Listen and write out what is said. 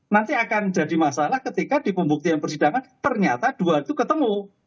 nanti akan jadi masalah ketika di pembuktian persidangan ternyata dua itu ketemu